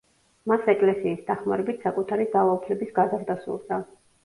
მას ეკლესიის დახმარებით საკუთარი ძალაუფლების გაზრდა სურდა.